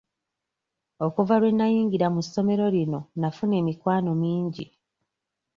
Okuva lwe nayingira mu ssomero lino nafuna emikwano mingi.